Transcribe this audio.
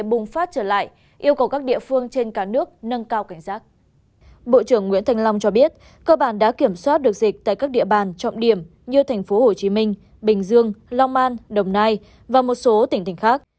bộ trưởng nguyễn thành long cho biết cơ bản đã kiểm soát được dịch tại các địa bàn trọng điểm như thành phố hồ chí minh bình dương long an đồng nai và một số tỉnh thành khác